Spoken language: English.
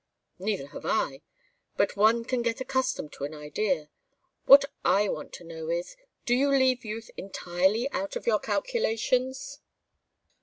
"Neither have I, but one can get accustomed to any idea. What I want to know is do you leave youth entirely out of your calculations?"